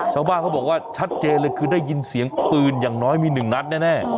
ชาวบ้านเขาบอกว่าชัดเจนเลยคือได้ยินเสียงปืนอย่างน้อยมีหนึ่งนัดแน่